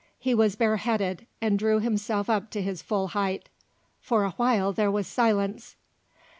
He was bare headed and drew himself up to his full height. For a while there was silence.